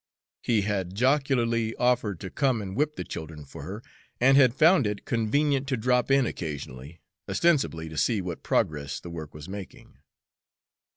He had jocularly offered to come and whip the children for her, and had found it convenient to drop in occasionally, ostensibly to see what progress the work was making.